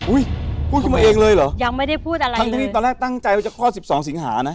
อุ้ยพูดขึ้นมาเองเลยเหรอท่านพี่ตอนแรกตั้งใจว่าจะคลอด๑๒สิงหานะ